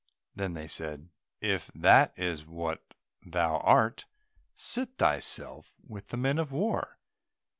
Then they said, "If that is what thou art, seat thyself with the men of war."